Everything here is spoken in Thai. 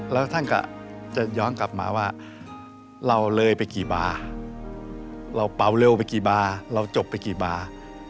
แล้วท่านก็จะย้อนกลับมาว่าเราเลยไปกี่บาร์เราเป่าเร็วไปกี่บาร์เราจบไปกี่บาร์